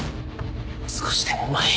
少しでも前に。